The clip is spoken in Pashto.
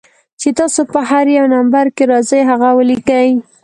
چې تاسو پۀ هر يو نمبر کښې راځئ هغه وليکئ